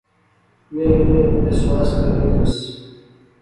میں ایویں بسواس کرنی دیوس